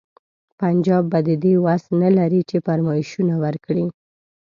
پنجاب به د دې وس نه لري چې فرمایشونه ورکړي.